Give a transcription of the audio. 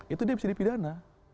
itu dia bisa dipidana